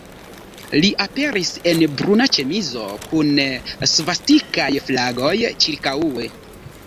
Li aperis en bruna ĉemizo, kun svastikaj flagoj ĉirkaŭe.